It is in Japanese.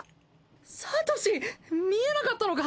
サトシ見えなかったのか？